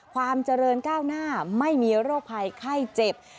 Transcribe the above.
ความเจริญก้าวหน้าไม่มีโรคภัยไข้เจ็บ